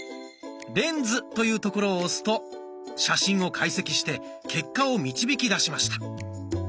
「レンズ」というところを押すと写真を解析して結果を導きだしました。